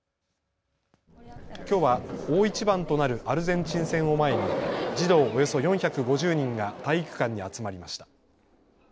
きょうは大一番となるアルゼンチン戦を前に児童およそ４５０人が体育館に集まりました。